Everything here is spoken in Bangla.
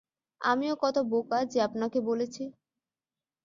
আমিও কত বোকা যে আপনাকে বলেছি।